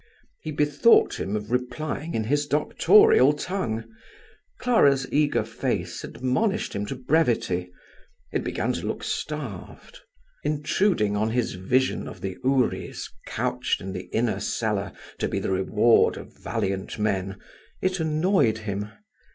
He bethought him of replying in his doctorial tongue. Clara's eager face admonished him to brevity: it began to look starved. Intruding on his vision of the houris couched in the inner cellar to be the reward of valiant men, it annoyed him.